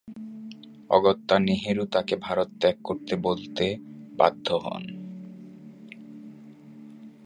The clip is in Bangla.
অগত্যা নেহেরু তাকে ভারত ত্যাগ করতে বলতে বাধ্য হন।